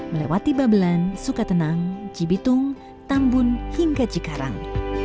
melewati babelan sukatenang cibitung tambun hingga cikarang